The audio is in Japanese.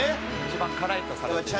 「一番辛いとされている」